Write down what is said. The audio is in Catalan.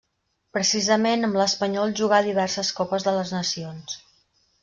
Precisament, amb l'Espanyol jugà diverses Copes de les Nacions.